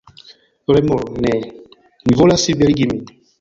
Remoro: "Ne. Mi volas liberigi min!"